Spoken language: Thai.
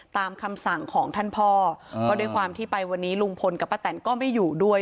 ตามคำสั่งของท่านพ่อก็ด้วยความที่ไปวันนี้ลุงพลกับป้าแตนก็ไม่อยู่ด้วย